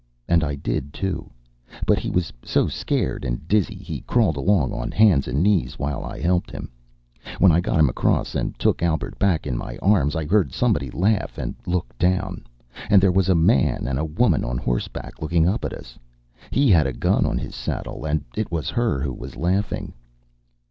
And I did, too; but he was so scared and dizzy he crawled along on hands and knees while I helped him. When I got him across and took Albert back in my arms, I heard somebody laugh and looked down. And there was a man and woman on horseback looking up at us. He had a gun on his saddle, and it was her who was laughing.